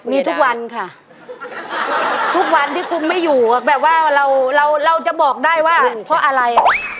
มีทุกวันค่ะทุกวันที่คุณไม่อยู่แบบว่าเราเราจะบอกได้ว่าเพราะอะไร